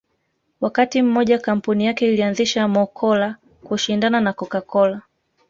Wakati mmoja kampuni yake ilianzisha Mo Cola kushindana na Coca Cola